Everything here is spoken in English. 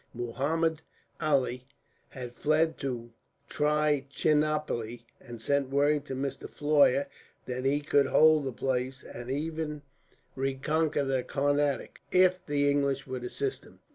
Muhammud Ali had fled to Trichinopoli, and sent word to Mr. Floyer that he could hold the place, and even reconquer the Carnatic, if the English would assist him.